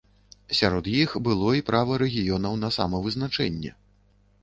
Сярод іх было і права рэгіёнаў на самавызначэнне.